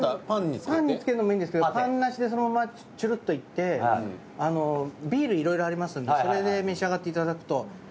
パンにつけるのもいいんですけどパンなしでそのままチュルッといってビールいろいろありますんでそれで召し上がっていただくと。